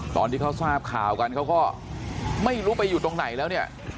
ตอนที่เขาซ่าบในข่าวไม่รู้ไม่อยู่ไหน